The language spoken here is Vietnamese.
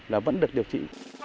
là vẫn được điều trị